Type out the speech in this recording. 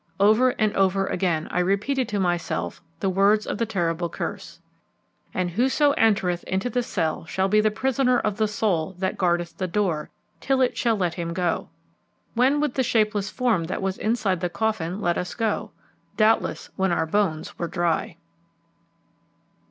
Over and over again I repeated to myself the words of the terrible curse: "And whoso entereth into the cell shall be the prisoner of the soul that guardeth the door till it shall let him go." When would the shapeless form that was inside the coffin let us go? Doubtless when our bones were dry.